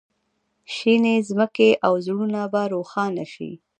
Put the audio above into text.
شینې ځمکې او زړونه په روښانه شي.